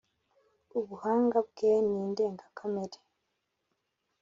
Ubuhanga bwe ni indengakamere